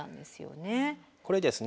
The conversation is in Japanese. これですね